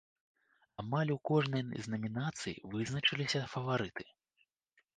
Амаль у кожнай з намінацый вызначыліся фаварыты.